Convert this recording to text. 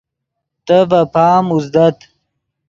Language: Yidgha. تے ڤے پام اوزدت